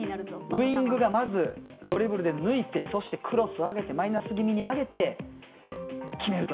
ウィングがまずドリブルで抜いてそして、クロスを上げてマイナス気味に上げて決めると。